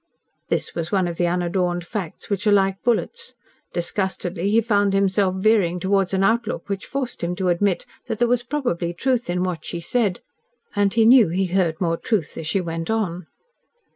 This was one of the unadorned facts which are like bullets. Disgustedly, he found himself veering towards an outlook which forced him to admit that there was probably truth in what she said, and he knew he heard more truth as she went on.